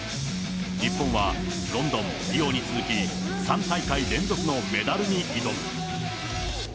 日本はロンドン、リオに続き、３大会連続のメダルに挑む。